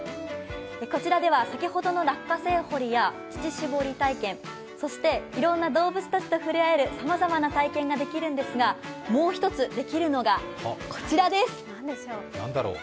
こちらでは先ほどの落花生掘りや乳搾り体験、そしていろんな動物たちと触れ合えるさまざまな体験ができるんですが、もう一つ、できるのがこちらです。